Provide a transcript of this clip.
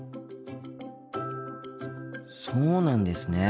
そうなんですね。